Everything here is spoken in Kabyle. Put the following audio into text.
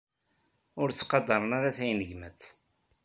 Ur ttqadaren ara tayanegmat.